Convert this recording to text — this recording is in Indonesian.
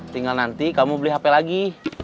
tinggal nanti kamu beli hp lagi